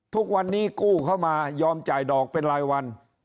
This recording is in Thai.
ทุกวันนี้กู้เข้ามายอมจ่ายดอกเป็นรายวัน